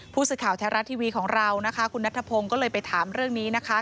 ผู้สื่อข่าวแท้รัฐทีวีของเรานะคะคุณนัทพงศ์ก็เลยไปถามเรื่องนี้นะคะ